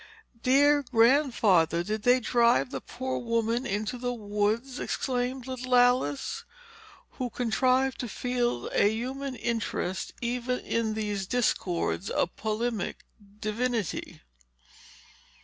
"Dear Grandfather, did they drive the poor woman into the woods?" exclaimed little Alice, who contrived to feel a human interest even in these discords of polemic divinity.